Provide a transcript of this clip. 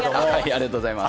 ありがとうございます。